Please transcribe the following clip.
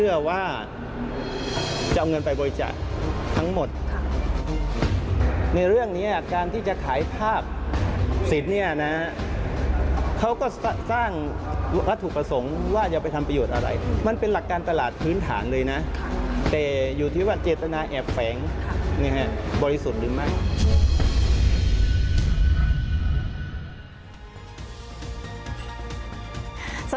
เนี่ยมีบางอย่างที่มันเป็นเจตนาที่ไม่บริสุทธิ์เนี่ยมีบางอย่างที่มันเป็นเจตนาที่ไม่บริสุทธิ์เนี่ยมีบางอย่างที่มันเป็นเจตนาที่ไม่บริสุทธิ์เนี่ยมีบางอย่างที่มันเป็นเจตนาที่ไม่บริสุทธิ์เนี่ยมีบางอย่างที่มันเป็นเจตนาที่ไม่บริสุทธิ์เนี่ยมีบางอย่างที่มันเป็นเ